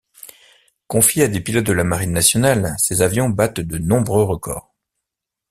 Confiés à des pilotes de la marine nationale, ces avions battent de nombreux records.